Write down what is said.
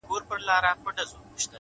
د هغې خوله ـ شونډي ـ پېزوان او زنـي ـ